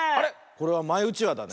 これはマイうちわだね。